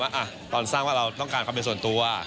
ตอนสร้างว่าเราต้องการความเป็นส่วนตัว